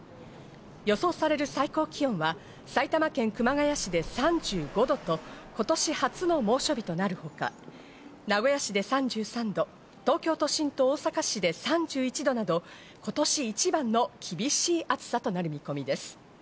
予想される最高気温は、埼玉県熊谷市で３５度と今年初の猛暑日となるほか、名古屋市で３３度、東京都心と大阪市で３１度など今年一番の厳しい暑さとなる見込みです。